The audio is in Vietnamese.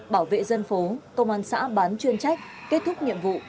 bảo vệ dân phố công an xã bán chuyên trách kết thúc nhiệm vụ